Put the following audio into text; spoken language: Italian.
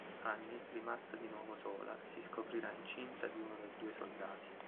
Anni, rimasta di nuovo sola, si scoprirà incinta di uno dei due soldati.